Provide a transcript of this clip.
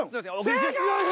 正解！